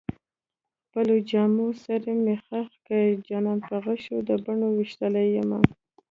خپلو جامو سره مې خښ کړئ جانان په غشو د بڼو ويشتلی يمه